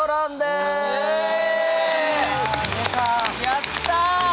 やった！